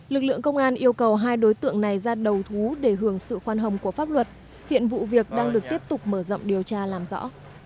lực lượng công an yêu cầu hai đối tượng này ra đầu thú để hưởng sự khoan hồng của pháp luật hiện vụ việc đang được tiếp tục mở rộng điều tra làm rõ